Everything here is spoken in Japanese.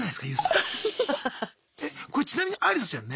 これちなみにアリサちゃんね